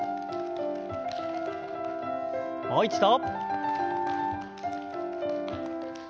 もう一度。